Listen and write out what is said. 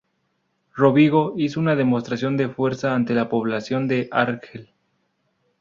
Rovigo hizo una demostración de fuerza ante la población de Argel.